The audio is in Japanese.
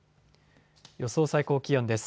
予想最高気温です。